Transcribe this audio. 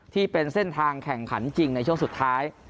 ที่เป็นเส้นทางแข่งขันจริงในช่วงสุดท้าย